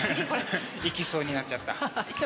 ハハッいきそうになっちゃった？